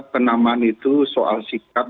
penamaan itu soal sikap